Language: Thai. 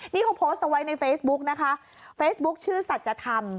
นี่เขาโพสต์เอาไว้ในเฟซบุ๊กนะคะเฟซบุ๊คชื่อสัจธรรม